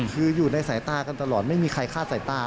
คืออยู่ในสายตากันตลอดไม่มีใครคาดสายตา